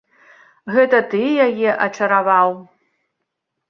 Гэта ты яе ачараваў.